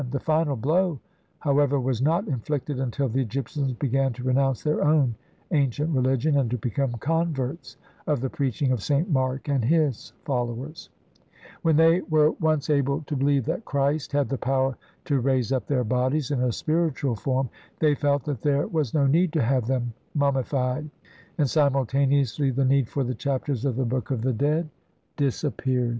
The final blow, however, was not inflicted until the Egyptians began to renounce their own ancient religion and to become converts of the preaching of Saint Mark and his followers ; when they were once able to believe that Christ had the power to raise up their bodies in a spiritual form they felt that there was no need to have them mummified, and simultane ously the need for the Chapters of the Book of the Dead disappeared.